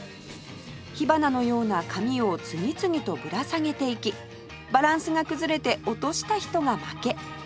火花のような紙を次々とぶら下げていきバランスが崩れて落とした人が負け